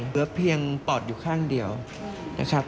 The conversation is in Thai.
เหลือเพียงปอดอยู่ข้างเดียวนะครับ